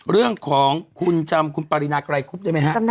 เรื่องของคุณจำคุณปรินาไกรคุบได้ไหมฮะ